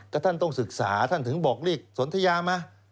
แต่ท่านต้องศึกษาท่านถึงบอกเรียกสนทยามา